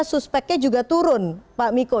suspeknya juga turun pak miko